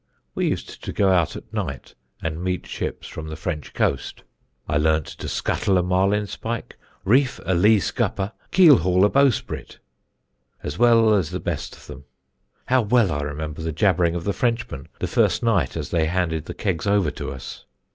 We used to go out at night and meet ships from the French coast. "I learned to scuttle a marlinspike, reef a lee scupper, keelhaul a bowsprit as well as the best of them. How well I remember the jabbering of the Frenchmen the first night as they handed the kegs over to us!